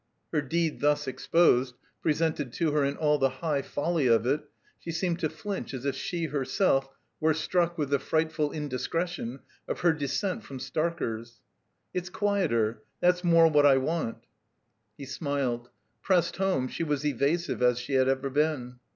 Her deed thus exposed, presented to her in all the high foUy of it, she seemed to flinch as if she herself were struck with the frightfid indiscretion of her descent from Starker's. "It's quieter. That's more what I want." He smiled. Pressed home, she was evasive as she had ever been.